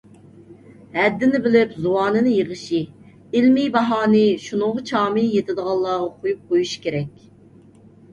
ھەددىنى بىلىپ زۇۋانىنى يىغىشى، ئىلمىي باھانى شۇنىڭغا چامى يېتىدىغانلارغا قويۇپ قويۇشى كېرەك.